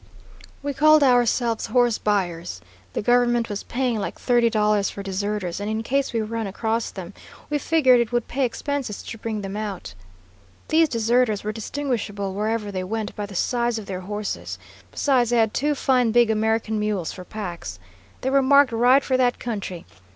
"We called ourselves horse buyers. The government was paying like thirty dollars for deserters, and in case we run across them, we figured it would pay expenses to bring them out. These deserters were distinguishable wherever they went by the size of their horses; besides, they had two fine big American mules for packs. They were marked right for that country.